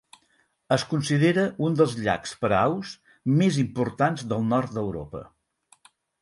Es considera un dels llacs per a aus més importants del nord d'Europa.